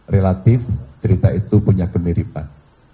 relatif cerita itu punya kemiripan